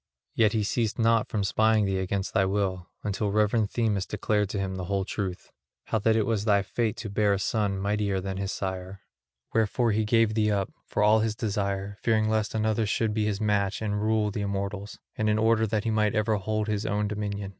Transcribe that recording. Yet he ceased not from spying thee against thy will, until reverend Themis declared to him the whole truth, how that it was thy fate to bear a son mightier than his sire; wherefore he gave thee up, for all his desire, fearing lest another should be his match and rule the immortals, and in order that he might ever hold his own dominion.